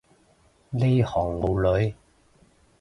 呢行冇女